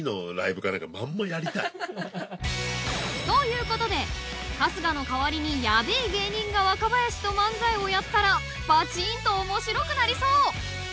［ということで春日の代わりにヤベェ芸人が若林と漫才をやったらバチーンと面白くなりそう］